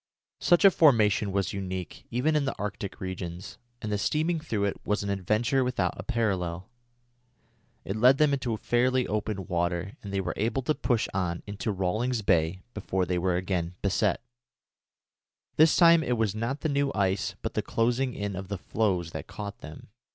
Such a formation was unique, even in the Arctic regions, and the steaming through it was an adventure without a parallel. It led them into fairly open water, and they were able to push on into Rawlings Bay before they were again beset. This time it was not the new ice but the closing in of the floes that caught them.